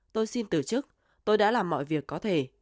tôi xin từ chức tôi đã làm mọi việc có thể